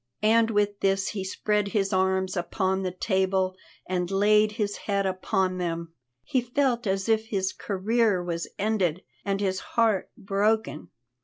And with this he spread his arms upon the table and laid his head upon them. He felt as if his career was ended and his heart broken.